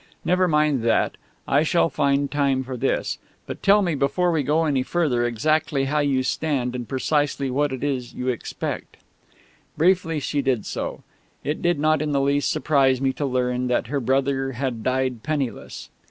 Never mind that. I shall find time for this. But tell me before we go any further exactly how you stand and precisely what it is you expect." Briefly she did so. It did not in the least surprise me to learn that her brother had died penniless.